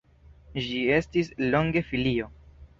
Ĝi estis longe filio.